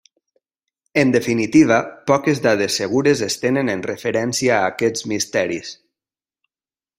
En definitiva, poques dades segures es tenen en referència a aquests misteris.